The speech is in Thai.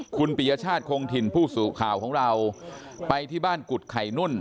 คุณปียชาติคงถิ่นผู้สื่อข่าวของเราไปที่บ้านกุฎไข่นุ่น